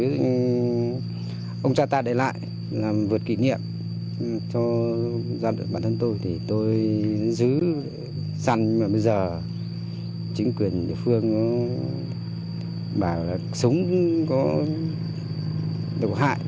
chúng ta để lại làm vượt kỷ niệm cho gia đình bản thân tôi thì tôi giữ săn mà bây giờ chính quyền địa phương bảo là súng có hại